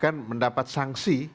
kita mendapat sanksi